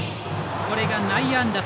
これが内野安打。